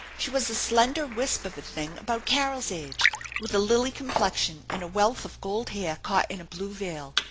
She was a slender wisp of a thing about Carol's age, with a lily complexion and a wealth of gold hair caught in a blue veil.